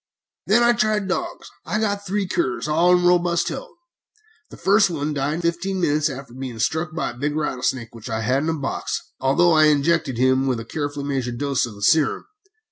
"Then I tried dogs. I got three curs, all in robust health. The first one died in fifteen minutes after being struck by a big rattlesnake which I had in a box, although I injected him with a carefully measured dose of the serum.